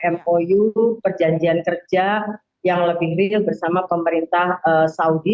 mou perjanjian kerja yang lebih real bersama pemerintah saudi